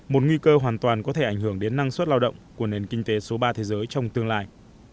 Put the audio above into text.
một nguy cơ hoàn toàn có thể ảnh hưởng đến năng suất lao động của nền kinh tế số ba thế giới trong tương lai